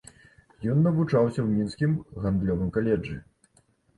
Ён навучаўся ў мінскім гандлёвым каледжы.